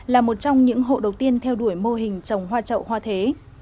là một trong những hộ đầu tiên theo đuổi mô hình trồng hoa trậu hoa thế